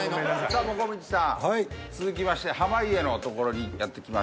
さあもこみちさん続きまして濱家のところにやって来ました。